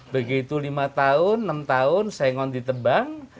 begitu lima tahun enam tahun sengon ditebang